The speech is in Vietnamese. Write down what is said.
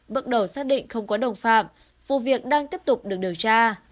bước đầu xác định không có đồng phạm vụ việc đang tiếp tục được điều tra